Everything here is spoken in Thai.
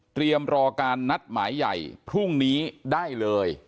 รอการนัดหมายใหญ่พรุ่งนี้ได้เลย